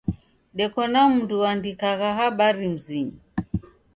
Deko na mndu uandikagha habari mzinyi.